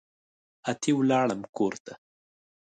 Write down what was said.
اتي ولاړم کورته